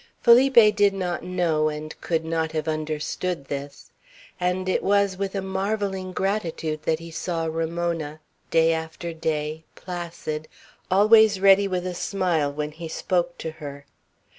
Felipe did not know and could not have understood this; and it was with a marvelling gratitude that he saw Ramona, day after day, placid, always ready with a smile when he spoke to her.